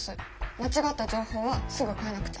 間違った情報はすぐ変えなくちゃ。